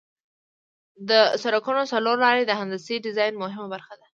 د سرکونو څلور لارې د هندسي ډیزاین مهمه برخه ده